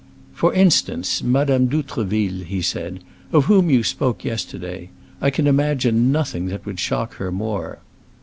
"For instance, Madame d'Outreville," he said, "of whom you spoke yesterday. I can imagine nothing that would shock her more."